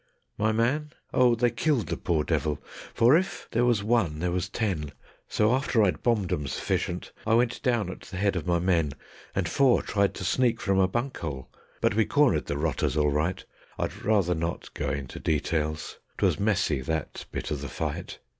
My man? Oh, they killed the poor devil; for if there was one there was ten; So after I'd bombed 'em sufficient I went down at the head of my men, And four tried to sneak from a bunk hole, but we cornered the rotters all right; I'd rather not go into details, 'twas messy that bit of the fight.